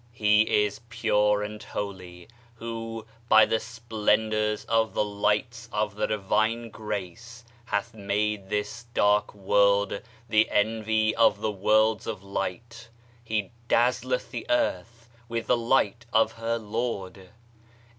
He is pure and holy, who, by the splendors of the lights of the divine grace hath made this dark world the envy of the worlds of light: "He dazzleth the earth with the light of her Lord."